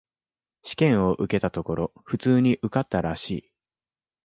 試験を受けたところ、普通に受かったらしい。